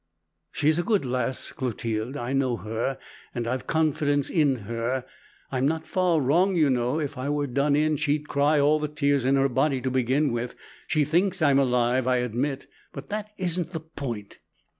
She's a good lass, Clotilde. I know her, and I've confidence in her. I'm not far wrong, you know. If I were done in, she'd cry all the tears in her body to begin with. She thinks I'm alive, I admit, but that isn't the point.